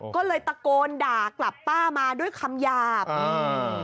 ก็เลยตะโกนด่ากลับป้ามาด้วยคำหยาบอืม